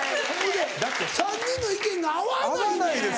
３人の意見が合わないねん。